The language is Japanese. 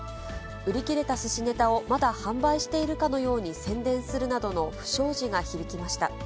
売り切れたすしネタを、まだ販売しているかのように宣伝するなどの不祥事が響きました。